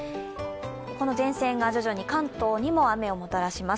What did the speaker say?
この前線が徐々に関東にも雨をもたらします。